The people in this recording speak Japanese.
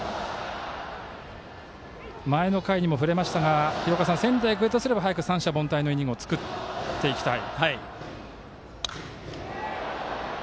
前の回にも触れましたが仙台育英としては早く三者凡退のイニングを作っていきたい。